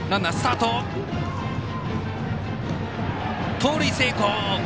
盗塁成功！